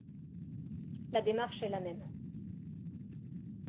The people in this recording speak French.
La démarche est la même.